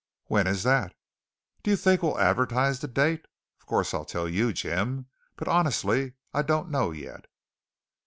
"When is that?" "Do you think we'll advertise the date? Of course I'd tell you, Jim; but honestly I don't know yet."